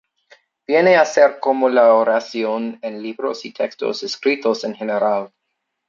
Viene a ser como la oración en libros y textos escritos en general.